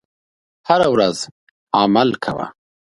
هره ورځ عمل کوه .